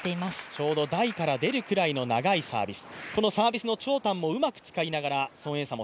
ちょうど台から出るぐらいの長いサービス。